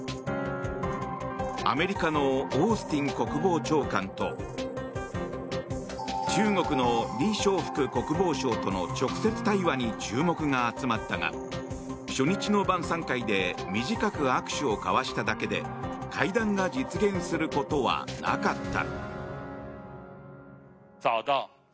アメリカのオースティン国防長官と中国のリ・ショウフク国防相との直接対話に注目が集まったが初日の晩さん会で短く握手を交わしただけで会談が実現することはなかった。